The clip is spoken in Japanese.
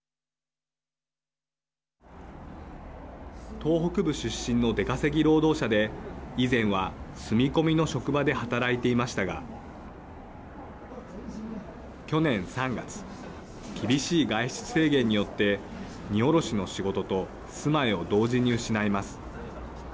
東北部出身の出稼ぎ労働者で以前は住み込みの職場で働いていましたが去年３月厳しい外出制限によって荷降ろしの仕事と住まいを同時に失います。